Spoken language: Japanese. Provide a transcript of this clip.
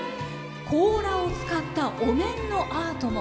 甲羅を使ったお面のアート。